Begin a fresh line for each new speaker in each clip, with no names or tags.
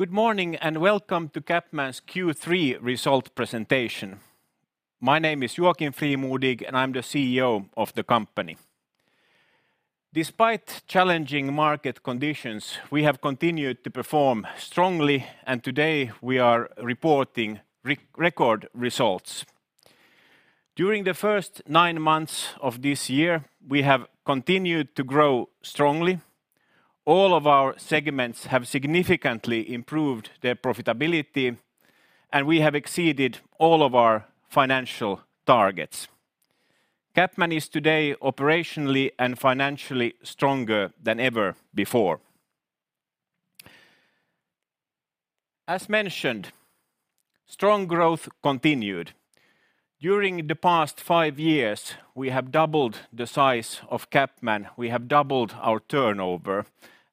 Good morning, and welcome to CapMan's Q3 result presentation. My name is Joakim Frimodig, and I'm the CEO of the company. Despite challenging market conditions, we have continued to perform strongly, and today we are reporting record results. During the first nine months of this year, we have continued to grow strongly. All of our segments have significantly improved their profitability, and we have exceeded all of our financial targets. CapMan is today operationally and financially stronger than ever before. As mentioned, strong growth continued. During the past five years, we have doubled the size of CapMan. We have doubled our turnover,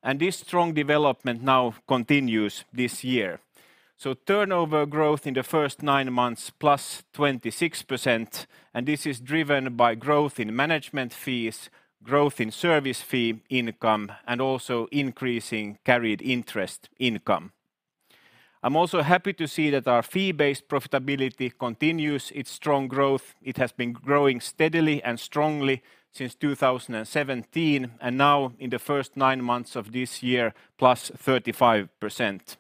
and this strong development now continues this year. Turnover growth in the first nine months +26%, and this is driven by growth in management fees, growth in service fee income, and also increasing carried interest income. I'm also happy to see that our fee-based profitability continues its strong growth. It has been growing steadily and strongly since 2017, and now in the first nine months of this year, +35%.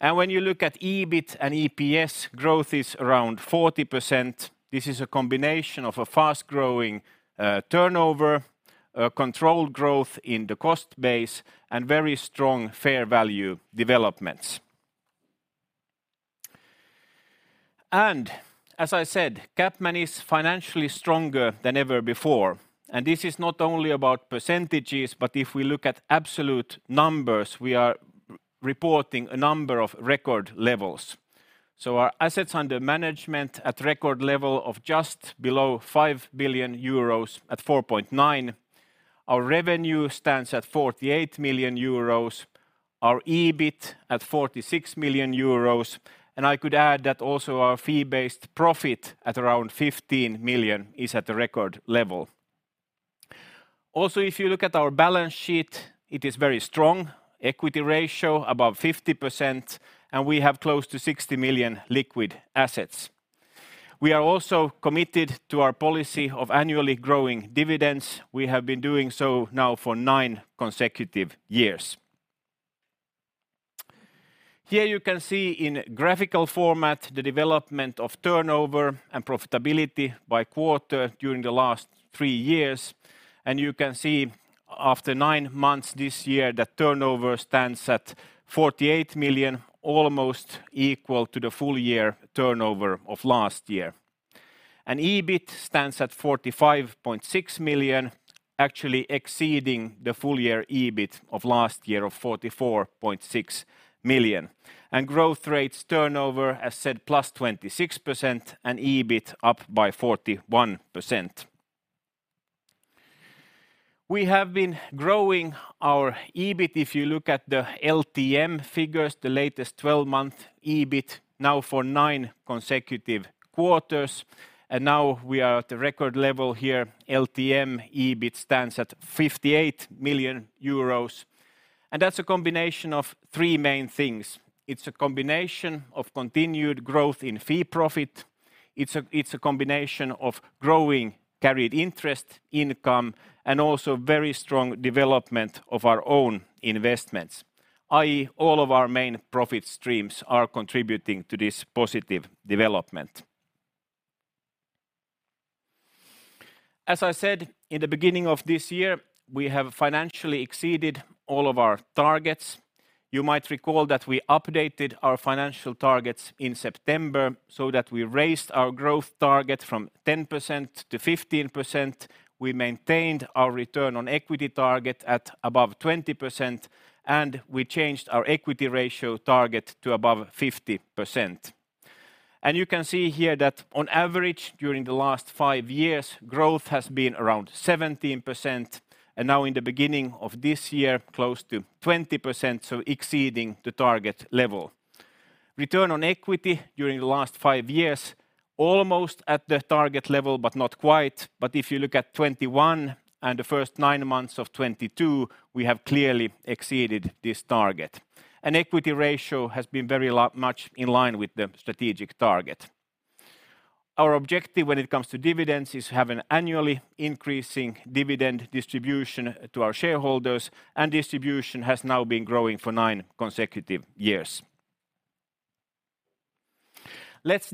When you look at EBIT and EPS, growth is around 40%. This is a combination of a fast-growing turnover, a controlled growth in the cost base, and very strong fair value developments. As I said, CapMan is financially stronger than ever before. This is not only about percentages, but if we look at absolute numbers, we are reporting a number of record levels. Our assets under management at record level of just below 5 billion euros at 4.9 billion. Our revenue stands at 48 million euros, our EBIT at 46 million euros. I could add that also our fee-based profit at around 15 million is at a record level. Also, if you look at our balance sheet, it is very strong. Equity ratio above 50%, and we have close to 60 million liquid assets. We are also committed to our policy of annually growing dividends. We have been doing so now for nine consecutive years. Here you can see in graphical format the development of turnover and profitability by quarter during the last three years. You can see after nine months this year, the turnover stands at 48 million, almost equal to the full year turnover of last year. EBIT stands at 45.6 million, actually exceeding the full year EBIT of last year of 44.6 million. Growth rates turnover, as said, +26% and EBIT up by 41%. We have been growing our EBIT. If you look at the LTM figures, the latest 12-month EBIT now for nine consecutive quarters, and now we are at the record level here. LTM EBIT stands at 58 million euros, and that's a combination of three main things. It's a combination of continued growth in fee profit. It's a combination of growing carried interest income and also very strong development of our own investments, i.e. all of our main profit streams are contributing to this positive development. As I said in the beginning of this year, we have financially exceeded all of our targets. You might recall that we updated our financial targets in September so that we raised our growth target from 10% to 15%. We maintained our return on equity target at above 20%, and we changed our equity ratio target to above 50%. You can see here that on average, during the last five years, growth has been around 17%, and now in the beginning of this year, close to 20%, so exceeding the target level. Return on equity during the last five years, almost at the target level, but not quite. If you look at 2021 and the first nine months of 2022, we have clearly exceeded this target. An equity ratio has been much in line with the strategic target. Our objective when it comes to dividends is to have an annually increasing dividend distribution to our shareholders, and distribution has now been growing for nine consecutive years. Let's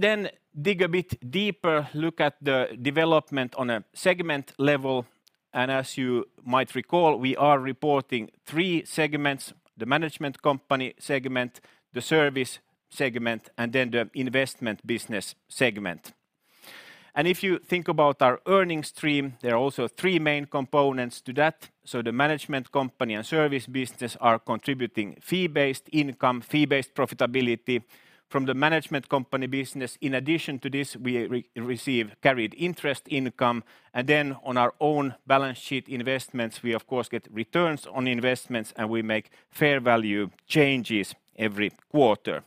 dig a bit deeper, look at the development on a segment level, and as you might recall, we are reporting three segments: the management company segment, the service segment, and then the investment business segment. If you think about our earnings stream, there are also three main components to that. The management company and service business are contributing fee-based income, fee-based profitability from the management company business. In addition to this, we receive carried interest income, and then on our own balance sheet investments, we of course get returns on investments, and we make fair value changes every quarter.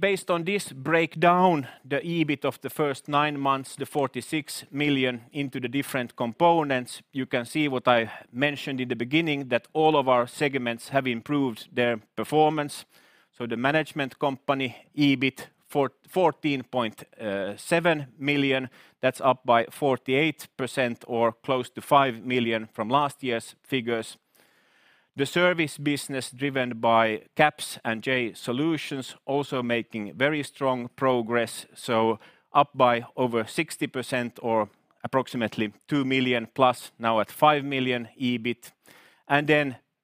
Based on this breakdown, the EBIT of the first nine months, the 46 million into the different components, you can see what I mentioned in the beginning that all of our segments have improved their performance. The management company EBIT for 14.7 million, that's up by 48% or close to 5 million from last year's figures. The service business driven by CaPS and JAY Solutions also making very strong progress, so up by over 60% or approximately 2+ million now at 5 million EBIT.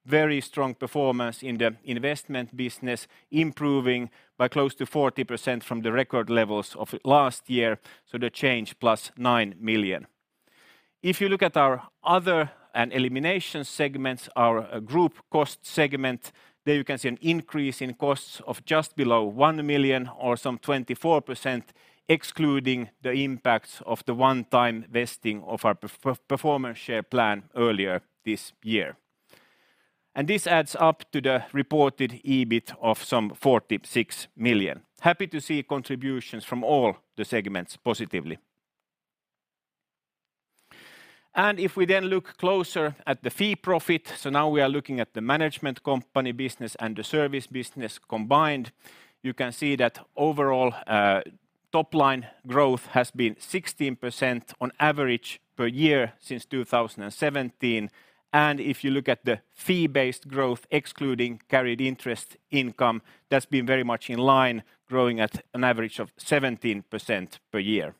Very strong performance in the investment business, improving by close to 40% from the record levels of last year, so the change +9 million. If you look at our other and elimination segments, our group cost segment, there you can see an increase in costs of just below 1 million or some 24% excluding the impacts of the one-time vesting of our performance share plan earlier this year. This adds up to the reported EBIT of some 46 million. Happy to see contributions from all the segments positively. If we then look closer at the fee profit, so now we are looking at the management company business and the service business combined, you can see that overall, top line growth has been 16% on average per year since 2017. If you look at the fee-based growth excluding carried interest income, that's been very much in line growing at an average of 17% per year.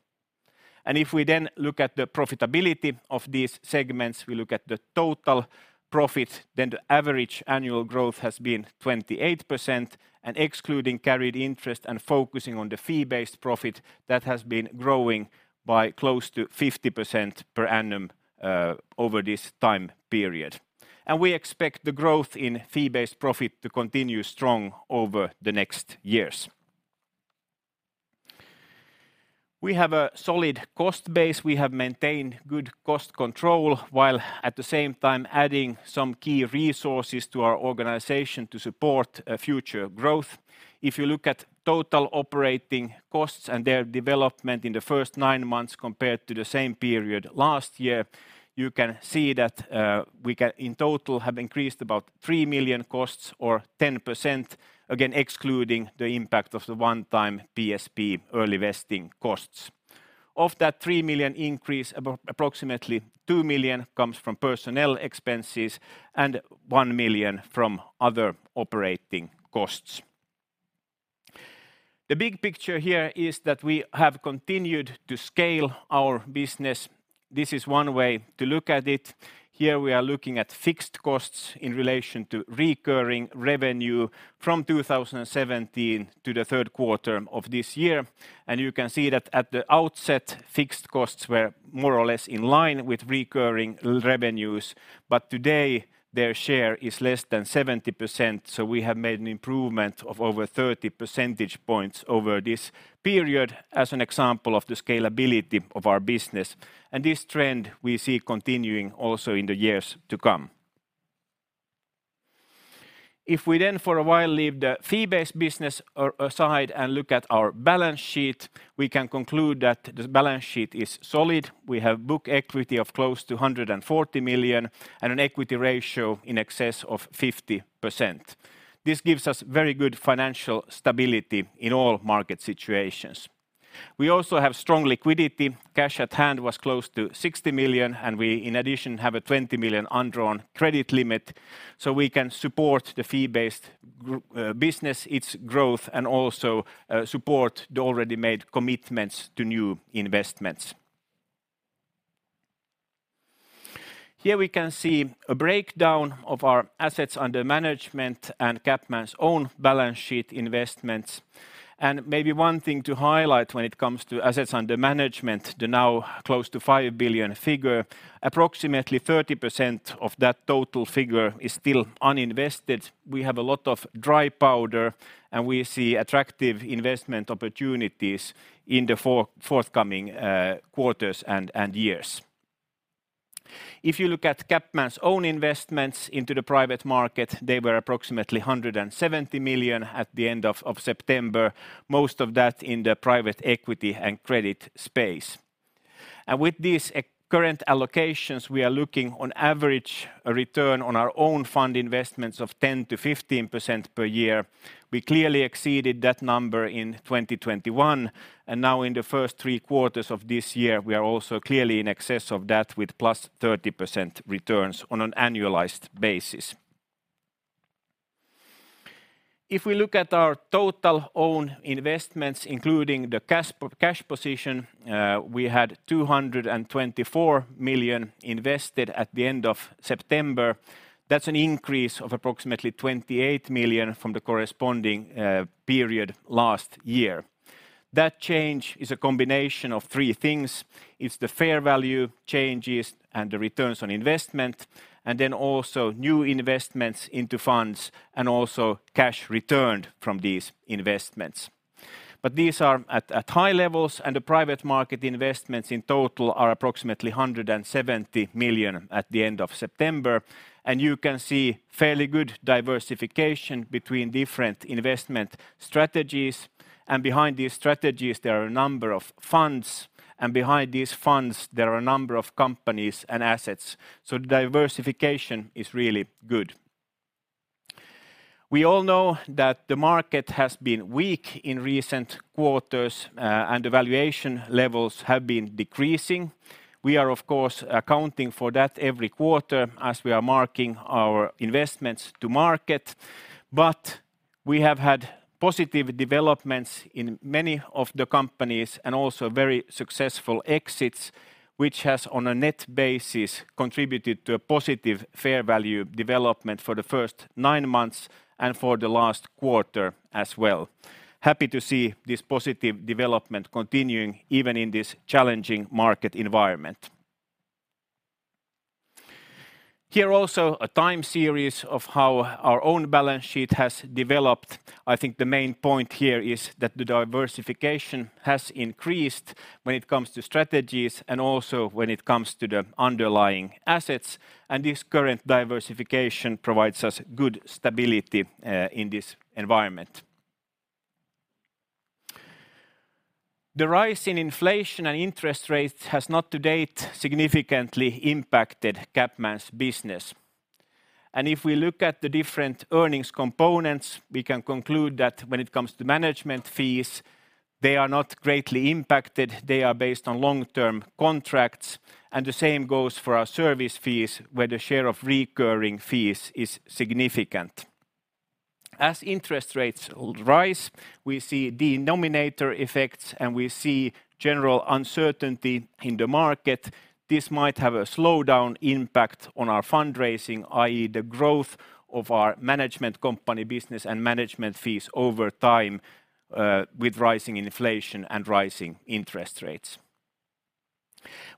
If we then look at the profitability of these segments, we look at the total profit, then the average annual growth has been 28%. Excluding carried interest and focusing on the fee-based profit, that has been growing by close to 50% per annum over this time period. We expect the growth in fee-based profit to continue strong over the next years. We have a solid cost base. We have maintained good cost control while at the same time adding some key resources to our organization to support future growth. If you look at total operating costs and their development in the first nine months compared to the same period last year, you can see that in total have increased about 3 million costs or 10%, again excluding the impact of the one-time PSP early vesting costs. Of that 3 million increase, approximately 2 million comes from personnel expenses and 1 million from other operating costs. The big picture here is that we have continued to scale our business. This is one way to look at it. Here we are looking at fixed costs in relation to recurring revenue from 2017 to the third quarter of this year. You can see that at the outset, fixed costs were more or less in line with recurring revenues, but today their share is less than 70%, so we have made an improvement of over 30 percentage points over this period as an example of the scalability of our business. This trend we see continuing also in the years to come. If we then, for a while, leave the fee-based business aside and look at our balance sheet, we can conclude that the balance sheet is solid. We have book equity of close to 140 million and an equity ratio in excess of 50%. This gives us very good financial stability in all market situations. We also have strong liquidity. Cash at hand was close to 60 million, and we in addition have a 20 million undrawn credit limit, so we can support the fee-based business, its growth, and also support the already made commitments to new investments. Here we can see a breakdown of our assets under management and CapMan's own balance sheet investments. Maybe one thing to highlight when it comes to assets under management, the now close to 5 billion figure, approximately 30% of that total figure is still uninvested. We have a lot of dry powder, and we see attractive investment opportunities in the forthcoming quarters and years. If you look at CapMan's own investments into the private market, they were approximately 170 million at the end of September, most of that in the private equity and credit space. With these current allocations, we are looking on average a return on our own fund investments of 10%-15% per year. We clearly exceeded that number in 2021, and now in the first three quarters of this year, we are also clearly in excess of that with +30% returns on an annualized basis. If we look at our total own investments, including the cash position, we had 224 million invested at the end of September. That's an increase of approximately 28 million from the corresponding period last year. That change is a combination of three things. It's the fair value changes and the returns on investment, and then also new investments into funds and also cash returned from these investments. These are at high levels, and the private market investments in total are approximately 170 million at the end of September. You can see fairly good diversification between different investment strategies. Behind these strategies, there are a number of funds. Behind these funds, there are a number of companies and assets. Diversification is really good. We all know that the market has been weak in recent quarters, and the valuation levels have been decreasing. We are of course accounting for that every quarter as we are marking our investments to market. We have had positive developments in many of the companies, and also very successful exits which has, on a net basis, contributed to a positive fair value development for the first nine months and for the last quarter as well. Happy to see this positive development continuing even in this challenging market environment. Here also a time series of how our own balance sheet has developed. I think the main point here is that the diversification has increased when it comes to strategies and also when it comes to the underlying assets, and this current diversification provides us good stability, in this environment. The rise in inflation and interest rates has not to date significantly impacted CapMan's business. If we look at the different earnings components, we can conclude that when it comes to management fees, they are not greatly impacted. They are based on long-term contracts, and the same goes for our service fees where the share of recurring fees is significant. As interest rates rise, we see denominator effects, and we see general uncertainty in the market. This might have a slowdown impact on our fundraising, i.e. the growth of our management company business and management fees over time, with rising inflation and rising interest rates.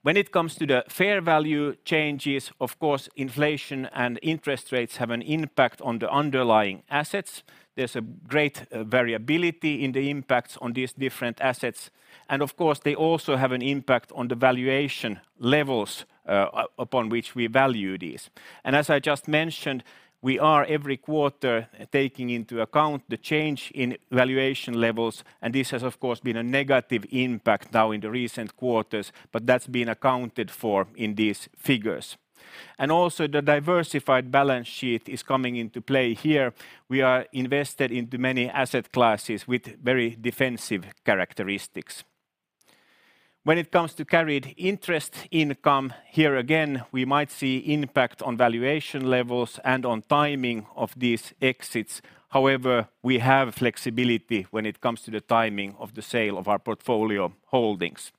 When it comes to the fair value changes, of course inflation and interest rates have an impact on the underlying assets. There's a great variability in the impacts on these different assets, and of course they also have an impact on the valuation levels, upon which we value these. As I just mentioned, we are every quarter taking into account the change in valuation levels, and this has of course been a negative impact now in the recent quarters, but that's been accounted for in these figures. Also the diversified balance sheet is coming into play here. We are invested into many asset classes with very defensive characteristics. When it comes to carried interest income, here again we might see impact on valuation levels and on timing of these exits. However, we have flexibility when it comes to the timing of the sale of our portfolio holdings.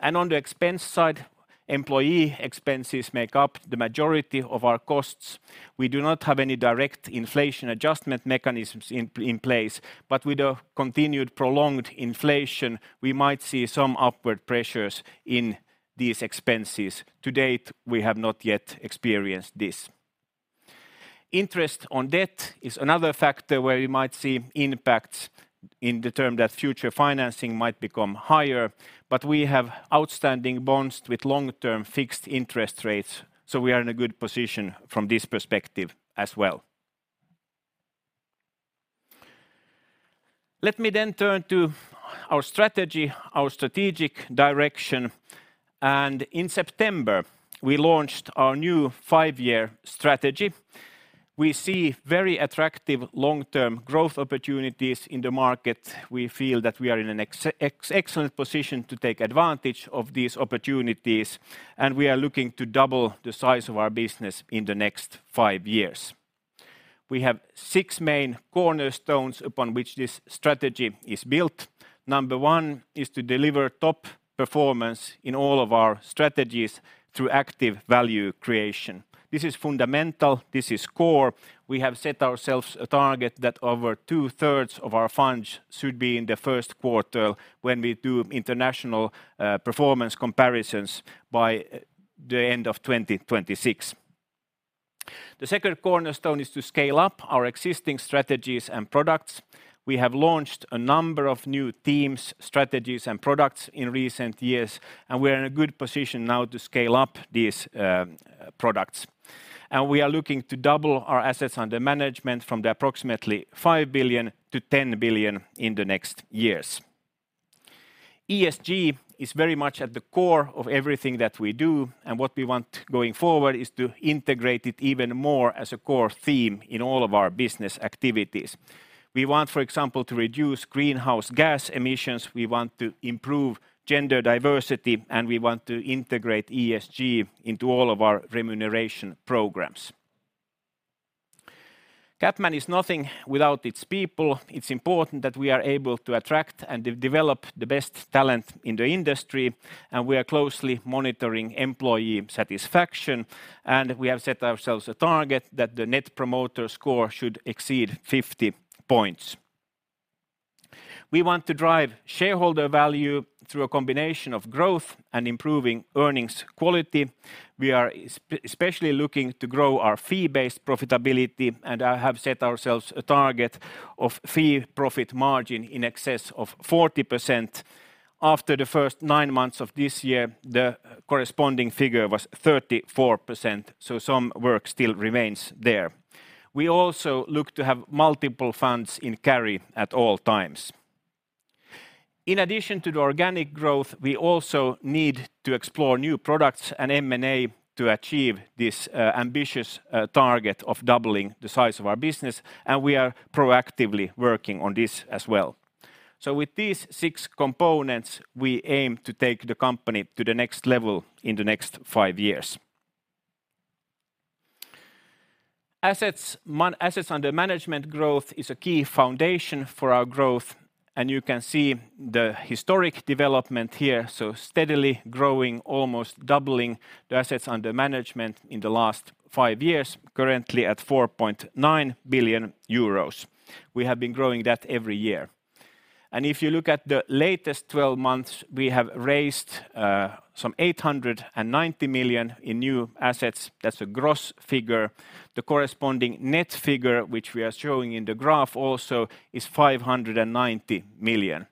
On the expense side, employee expenses make up the majority of our costs. We do not have any direct inflation adjustment mechanisms in place, but with the continued prolonged inflation, we might see some upward pressures in these expenses. To date, we have not yet experienced this. Interest on debt is another factor where you might see impacts in the term that future financing might become higher, but we have outstanding bonds with long-term fixed interest rates, so we are in a good position from this perspective as well. Let me turn to our strategy, our strategic direction. In September, we launched our new five-year strategy. We see very attra ctive long-term growth opportunities in the market. We feel that we are in an excellent position to take advantage of these opportunities, and we are looking to double the size of our business in the next five years. We have six main cornerstones upon which this strategy is built. Number one is to deliver top performance in all of our strategies through active value creation. This is fundamental. This is core. We have set ourselves a target that over 2/3 of our funds should be in the first quarter when we do international performance comparisons by the end of 2026. The second cornerstone is to scale up our existing strategies and products. We have launched a number of new themes, strategies, and products in recent years, and we are in a good position now to scale up these products. We are looking to double our assets under management from approximately 5 billion to 10 billion in the next years. ESG is very much at the core of everything that we do, and what we want going forward is to integrate it even more as a core theme in all of our business activities. We want, for example, to reduce greenhouse gas emissions, we want to improve gender diversity, and we want to integrate ESG into all of our remuneration programs. CapMan is nothing without its people. It's important that we are able to attract and develop the best talent in the industry, and we are closely monitoring employee satisfaction, and we have set ourselves a target that the net promoter score should exceed 50 points. We want to drive shareholder value through a combination of growth and improving earnings quality. We are especially looking to grow our fee-based profitability, and have set ourselves a target of fee profit margin in excess of 40%. After the first nine months of this year, the corresponding figure was 34%, so some work still remains there. We also look to have multiple funds in carry at all times. In addition to the organic growth, we also need to explore new products and M&A to achieve this ambitious target of doubling the size of our business, and we are proactively working on this as well. With these six components, we aim to take the company to the next level in the next five years. Assets under management growth is a key foundation for our growth, and you can see the historic development here. Steadily growing, almost doubling the assets under management in the last five years, currently at 4.9 billion euros. We have been growing that every year. If you look at the latest 12 months, we have raised some 890 million in new assets. That's a gross figure. The corresponding net figure, which we are showing in the graph also, is 590 million.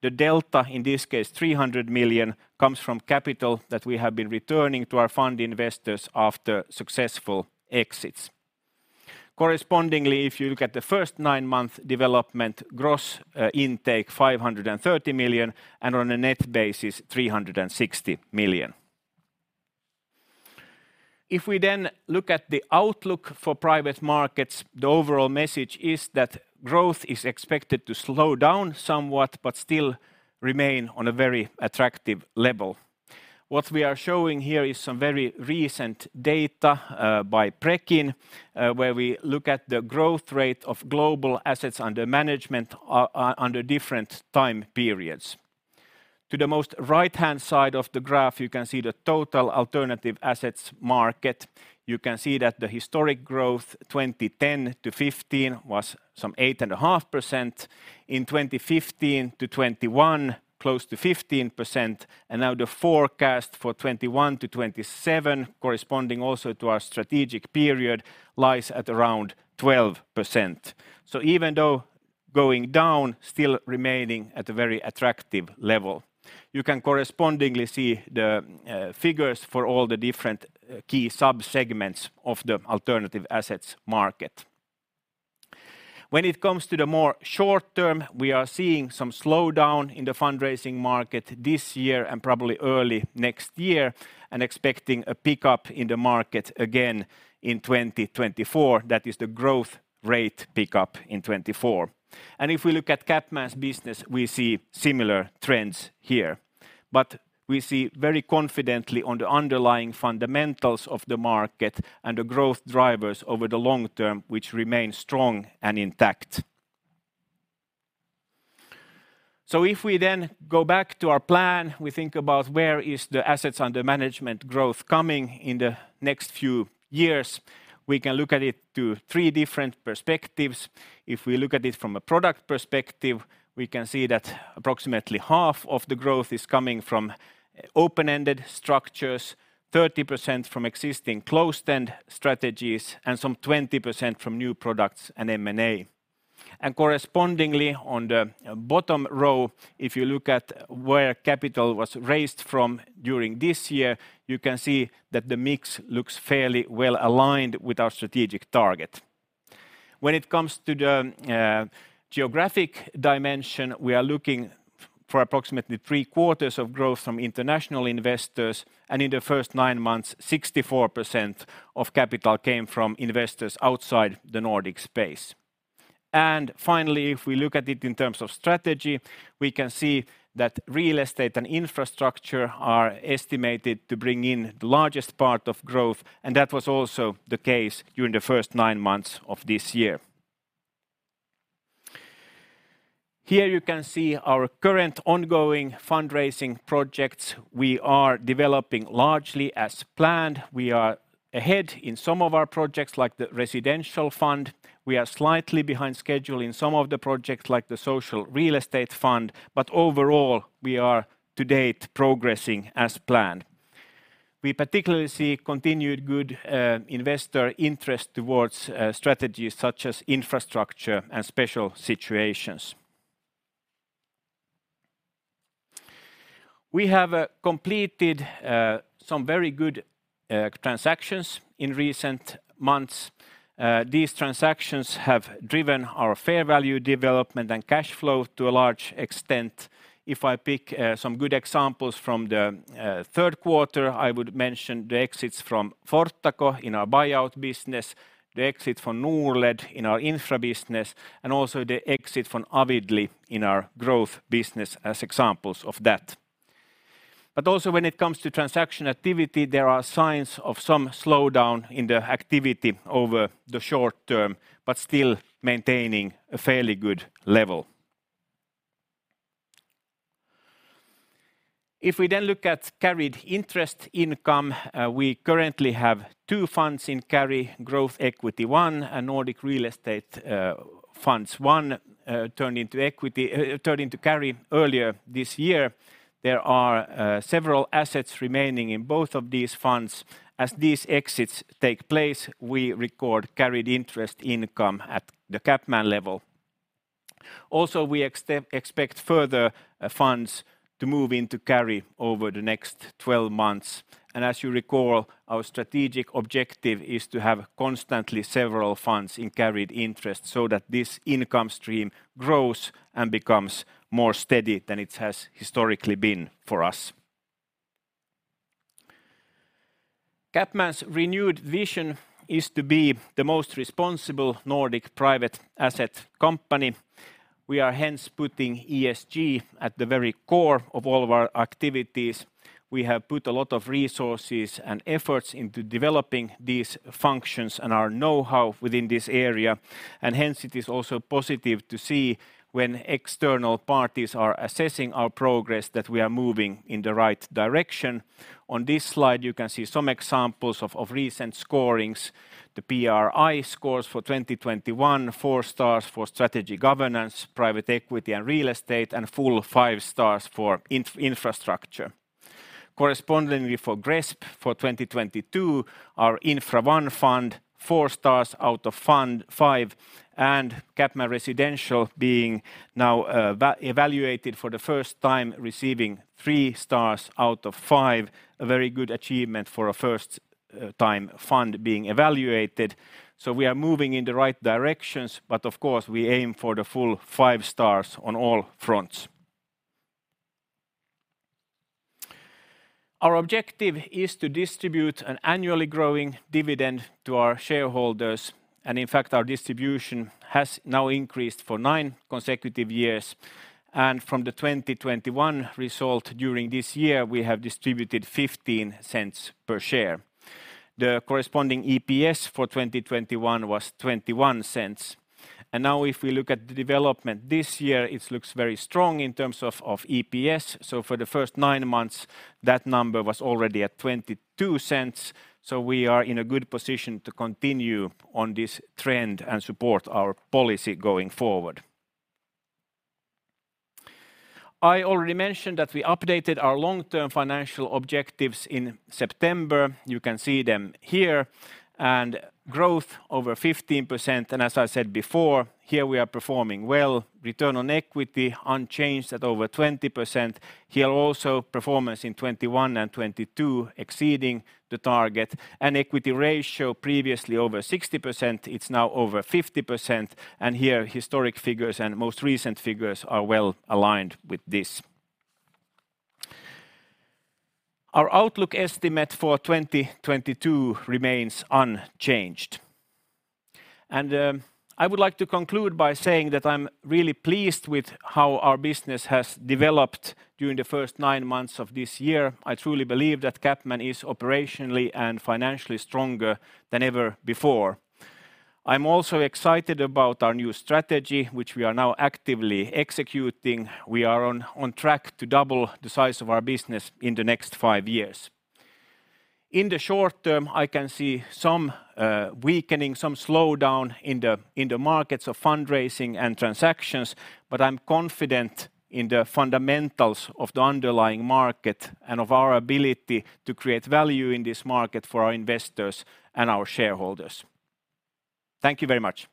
The delta, in this case 300 million, comes from capital that we have been returning to our fund investors after successful exits. Correspondingly, if you look at the first nine-month development gross intake, 530 million, and on a net basis, 360 million. If we look at the outlook for private markets, the overall message is that growth is expected to slow down somewhat but still remain on a very attractive level. What we are showing here is some very recent data by Preqin, where we look at the growth rate of global assets under management under different time periods. To the most right-hand side of the graph, you can see the total alternative assets market. You can see that the historic growth 2010-2015 was some 8.5%. In 2015-2021, close to 15%. Now the forecast for 2021-2027 corresponding also to our strategic period lies at around 12%. Even though going down, still remaining at a very attractive level. You can correspondingly see the figures for all the different key sub-segments of the alternative assets market. When it comes to the more short term, we are seeing some slowdown in the fundraising market this year and probably early next year, and expecting a pickup in the market again in 2024. That is the growth rate pickup in 2024. If we look at CapMan's business, we see similar trends here. We see very confidently on the underlying fundamentals of the market and the growth drivers over the long term, which remain strong and intact. If we then go back to our plan, we think about where is the assets under management growth coming in the next few years. We can look at it through three different perspectives. If we look at it from a product perspective, we can see that approximately half of the growth is coming from open-ended structures, 30% from existing closed-end strategies, and some 20% from new products and M&A. Correspondingly on the bottom row, if you look at where capital was raised from during this year, you can see that the mix looks fairly well-aligned with our strategic target. When it comes to the geographic dimension, we are looking for approximately 3/4 of growth from international investors, and in the first nine months, 64% of capital came from investors outside the Nordic space. Finally, if we look at it in terms of strategy, we can see that real estate and infrastructure are estimated to bring in the largest part of growth, and that was also the case during the first nine months of this year. Here you can see our current ongoing fundraising projects we are developing largely as planned. We are ahead in some of our projects, like the Residential Fund. We are slightly behind schedule in some of the projects, like the social real estate fund. Overall, we are to date progressing as planned. We particularly see continued good investor interest toward strategies such as infrastructure and special situations. We have completed some very good transactions in recent months. These transactions have driven our fair value development and cash flow to a large extent. If I pick some good examples from the third quarter, I would mention the exits from Fortaco in our buyout business, the exit from Norled in our infra business, and also the exit from Avidly in our growth business as examples of that. Also when it comes to transaction activity, there are signs of some slowdown in the activity over the short term, but still maintaining a fairly good level. If we then look at carried interest income, we currently have two funds in carry: Growth Equity I and Nordic Real Estate Funds I turned into carry earlier this year. There are several assets remaining in both of these funds. As these exits take place, we record carried interest income at the CapMan level. Also, we expect further funds to move into carry over the next 12 months. As you recall, our strategic objective is to have constantly several funds in carried interest so that this income stream grows and becomes more steady than it has historically been for us. CapMan's renewed vision is to be the most responsible Nordic private asset company. We are hence putting ESG at the very core of all of our activities. We have put a lot of resources and efforts into developing these functions and our know-how within this area, and hence it is also positive to see when external parties are assessing our progress that we are moving in the right direction. On this slide, you can see some examples of recent scorings. The PRI scores for 2021, four stars for strategy and governance, private equity and real estate, and full five stars for infrastructure. Correspondingly for GRESB for 2022, our Infra I fund, four stars out of five, and CapMan Residential being now evaluated for the first time, receiving three stars out of five. A very good achievement for a first time fund being evaluated. We are moving in the right directions, but of course, we aim for the full five stars on all fronts. Our objective is to distribute an annually growing dividend to our shareholders, and in fact, our distribution has now increased for nine consecutive years. From the 2021 result during this year, we have distributed 0.15 per share. The corresponding EPS for 2021 was 0.21. Now if we look at the development this year, it looks very strong in terms of EPS. For the first nine months, that number was already at 0.22, so we are in a good position to continue on this trend and support our policy going forward. I already mentioned that we updated our long-term financial objectives in September. You can see them here. Growth over 15%, and as I said before, here we are performing well. Return on equity unchanged at over 20%. Here also, performance in 2021 and 2022 exceeding the target. Equity ratio previously over 60%, it's now over 50%, and here historic figures and most recent figures are well aligned with this. Our outlook estimate for 2022 remains unchanged. I would like to conclude by saying that I'm really pleased with how our business has developed during the first nine months of this year. I truly believe that CapMan is operationally and financially stronger than ever before. I'm also excited about our new strategy, which we are now actively executing. We are on track to double the size of our business in the next five years. In the short term, I can see some weakening, some slowdown in the markets of fundraising and transactions, but I'm confident in the fundamentals of the underlying market and of our ability to create value in this market for our investors and our shareholders. Thank you very much.